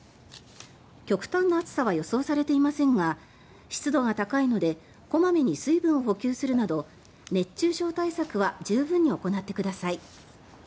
極端な暑さは予想されていませんが湿度が高いので小まめに水分を補給するなど熱中症対策は十分に行ってください。